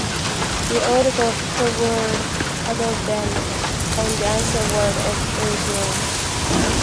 The Old Gods towered above them on the ancient world of Urgrund.